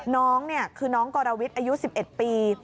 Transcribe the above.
นี่คือน้องกรวิทย์อายุ๑๑ปี